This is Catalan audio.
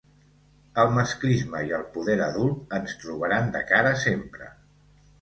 El masclisme i el poder adult ens trobaran de cara sempre.